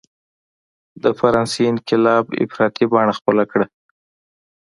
د فرانسې انقلاب افراطي بڼه خپله کړه.